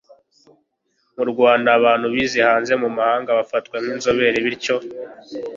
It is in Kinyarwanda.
mu rwanda, abantu bize hanze mu mahanga bafatwa nk'inzobere bityo